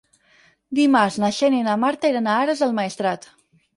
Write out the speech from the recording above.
Dimarts na Xènia i na Marta iran a Ares del Maestrat.